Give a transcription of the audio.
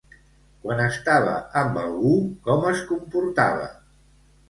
Quan estava amb algú com es comportava?